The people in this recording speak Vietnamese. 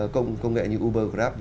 công nghệ như uber grab